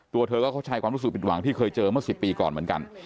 ตัวเธอก็เข้าใจความรู้สึกผิดหวังที่เคยเจอเมื่อ๑๐ปีก่อนเหมือนกัน